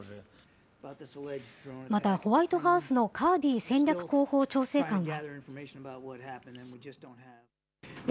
またホワイトハウスのカービー戦略広報調整官は。